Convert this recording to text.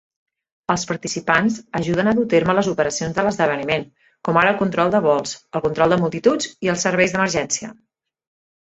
Els participants ajuden a dur a terme les operacions de l'esdeveniment, com ara el control de vols, el control de multituds i els serveis d'emergència.